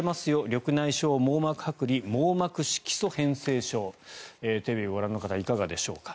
緑内障、網膜はく離網膜色素変性症テレビをご覧の方はいかがでしょうか。